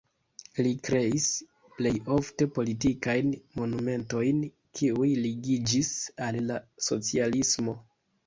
Li kreis plej ofte politikajn monumentojn, kiuj ligiĝis al la socialismo.